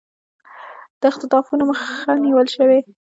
د اختطافونو مخه نیول شوې